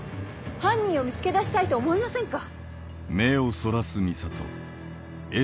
犯人を見つけ出したいと思いませんか？